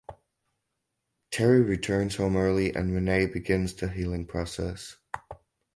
Terry returns home early and Renay beings the healing process.